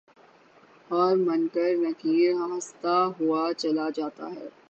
اور منکر نکیرہستہ ہوا چلا جاتا ہے